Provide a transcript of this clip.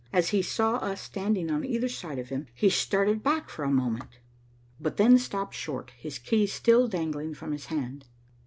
As he saw us standing on either side of him, he started back for a moment, but then stopped short, his keys still dangling from his hand.